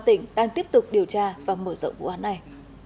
tỉnh đang tiếp tục điều tra và mở rộng vụ án này